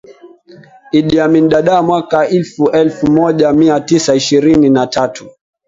Idi Amin Dada mwaka lfu elfu moja mia tisa ishirini na tatu